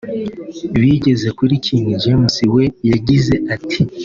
Bigeze kuri King James we yagize ati